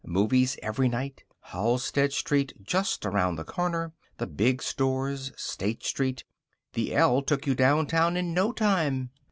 Movies every night. Halsted Street just around the corner. The big stores. State Street. The el took you downtown in no time.